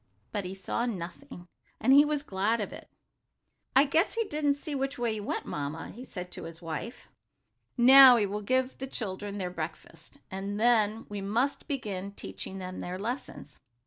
But he saw nothing, and he was glad of it. "I guess he didn't see which way you went, Mamma," he said to his wife. "Now we will give the children their breakfast, and then we must begin teaching them their lessons.